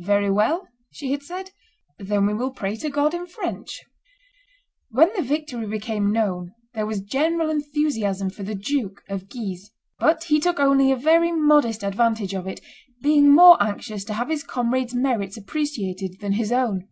"Very well," she had said, "then we will pray to God in French." When the victory became known there was general enthusiasm for the Duke. of Guise; but he took only a very modest advantage of it, being more anxious to have his comrades' merits appreciated than his own.